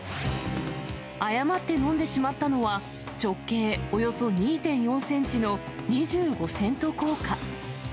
誤って飲んでしまったのは、直径およそ２．４センチの２５セント硬貨。